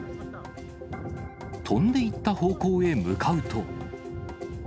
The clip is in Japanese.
飛んで行った方向へ向かうと。